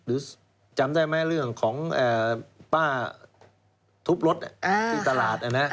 จำได้ไหมเรื่องของป้าทุบรถที่ตลาด